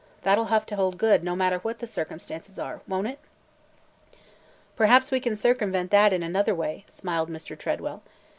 That 'll have to hold good, no matter what the circumstances are, won't it?'' "Perhaps we can circumvent that in another way!" smiled Mr. Tredwell.